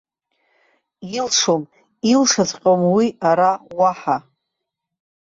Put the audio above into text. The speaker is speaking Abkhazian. Илшом, илшаҵәҟьом уи ара уаҳа.